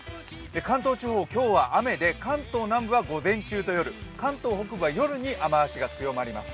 関東地方、今日は雨で関東南部は夜、関東北部は夜に雨足が強まります。